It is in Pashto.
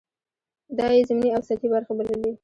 دا یې ضمني او سطحې برخې بللې.